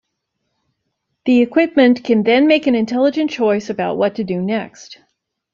The equipment can then make an intelligent choice about what to do next.